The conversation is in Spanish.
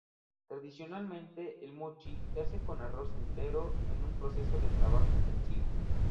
Tradicionalmente, el "mochi" se hace con arroz entero, en un proceso de trabajo intensivo.